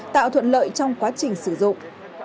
tạo thuận lợi trong quá trình sử dụng